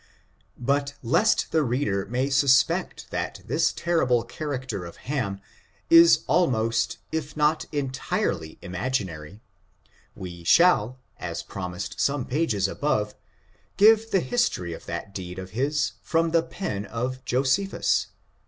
But lest the reader may suspect that this terrible character of Ham is almost if not entirely imaginary, we shall, as promised some pages above, give the history of that deed of his from the pen of Josephus.